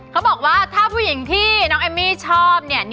เขาบอกว่าถ้าผู้หญิงที่น้องเอมมี่ชอบเนี่ย